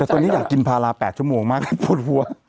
แต่ตอนนี้อยากกินพารา๘ชั่วโมงมากปวดหัว